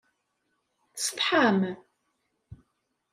Tessetḥam?